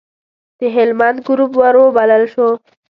د هلمند ګروپ وروبلل شو.